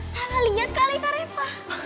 salah liat kali kak reva